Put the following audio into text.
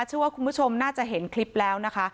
เชื่อว่าคุณผู้ชมน่าจะเห็นคลิปแล้วนะคะ